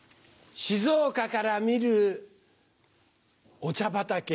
静岡から見るお茶畑。